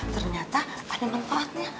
ternyata ada manfaatnya